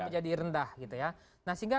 jadi rendah gitu ya nah sehingga